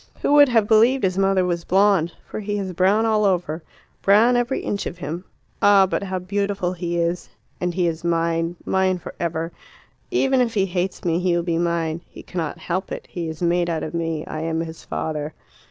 "Who would have believed his mother was blonde? For he is brown all over brown every inch of him. Ah, but how beautiful he is! And he is mine; mine for ever. Even if he hates me he will be mine. He cannot help it; he is made out of me; I am his father."